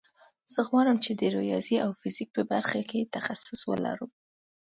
زه غواړم چې د ریاضي او فزیک په برخه کې تخصص ولرم